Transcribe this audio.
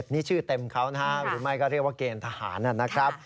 นี่ชื่อเต็มเขานะฮะหรือไม่ก็เรียกว่าเกณฑ์ทหารนะครับ